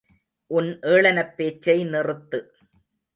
உன் ஏளனப் பேச்சை நிறுத்து.